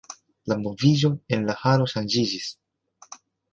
La moviĝo en la halo ŝanĝiĝis.